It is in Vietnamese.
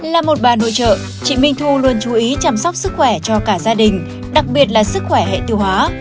là một bà nội trợ chị minh thu luôn chú ý chăm sóc sức khỏe cho cả gia đình đặc biệt là sức khỏe hệ tiêu hóa